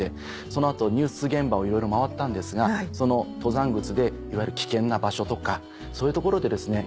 その後ニュース現場をいろいろ回ったんですがその登山靴でいわゆる危険な場所とかそういう所でですね